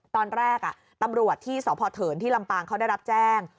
ตอนแรกตำรวจที่สพเถินที่ลำปางเขาได้รับแจ้ง